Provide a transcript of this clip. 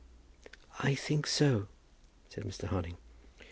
"I think so," said Mr. Harding.